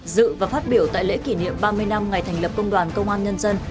dự và phát biểu tại lễ kỷ niệm ba mươi năm ngày thành lập công an nhân dân